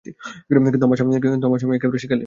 কিন্তু আমার স্বামী একেবারে একেলে।